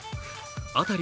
辺り